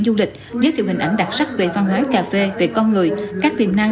du lịch giới thiệu hình ảnh đặc sắc về văn hóa cà phê về con người các tiềm năng